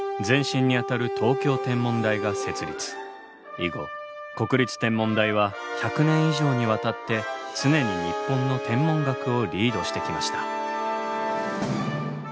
以後国立天文台は１００年以上にわたって常に日本の天文学をリードしてきました。